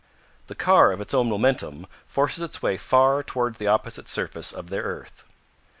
The car of its own momentum forces its way far toward the opposite surface of their earth.